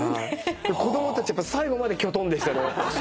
子供たちやっぱ最後までキョトンでしたね。